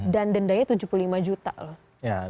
dan dendanya tujuh puluh lima juta